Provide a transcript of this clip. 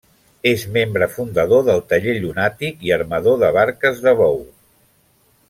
És membre fundador del Taller Llunàtic i armador de barques de bou.